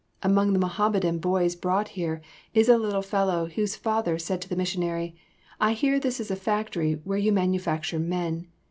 Among the Mohammedan boys brought here, is a little fellow whose father said to the missionary, "I hear this is a factory where you manufacture men.